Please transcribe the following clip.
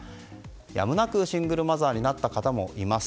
やむなくシングルマザーになった方もいます。